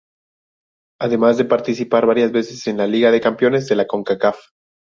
Además de participar varias veces en la Liga de Campeones de la Concacaf.